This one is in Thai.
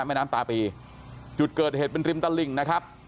แม่น้ำตาปีจุดเกิดเหตุเป็นริมตลิ่งนะครับ